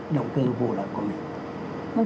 động cư vô lợi của mình